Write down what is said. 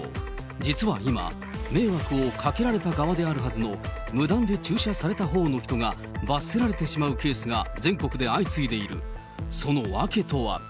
実は今、迷惑をかけられた側であるはずの無断で駐車されたほうの人が罰せられてしまうケースが全国で相次いでいる。